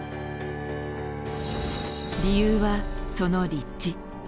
理由はその立地。